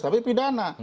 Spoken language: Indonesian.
tidak teroris tapi pidana